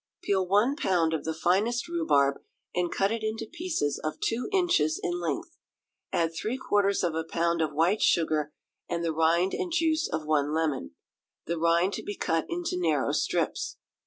Peel one pound of the finest rhubarb, and cut it into pieces of two inches in length; add three quarters of a pound of white sugar, and the rind and juice of one lemon the rind to be cut into narrow strips.